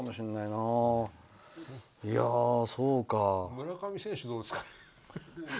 村上選手、どうですかね。